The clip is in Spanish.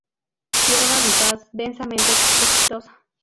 Hierba vivaz, densamente cespitosa.